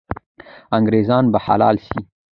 انګریزان به حلال سي.